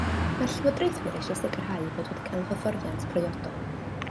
Mae'r llywodraethwyr eisiau sicrhau eu bod wedi cael hyfforddiant priodol